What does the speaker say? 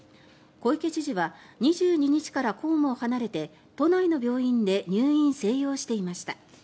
小池知事は２２日から公務を離れて都内の病院で入院・静養していました。